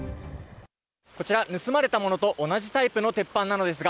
こちら、盗まれたものと同じタイプの鉄板なのですが。